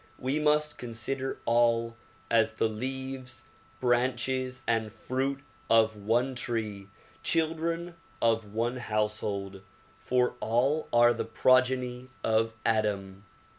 We must consider all as the leaves, branches and fruit of one tree, children of one house hold ; for all are the progeny of Adam.